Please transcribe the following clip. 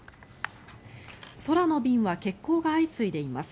空の便は欠航が相次いでいます。